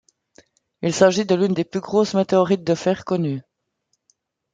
Il s'agit de l'une des plus grosses météorites de fer connues.